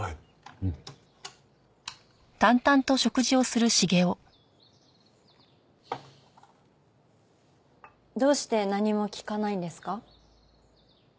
うん。どうして何も聞かないんですか？